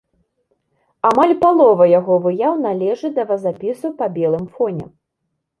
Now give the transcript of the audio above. Амаль палова яго выяў належаць да вазапісу па белым фоне.